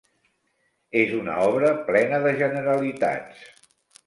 És una obra plena de generalitats.